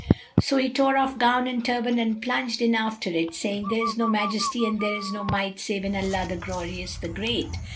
So he tore off gown and turband and plunged in after it, saying, "There is no Majesty and there is no Might save in Allah, the Glorious, the Great!"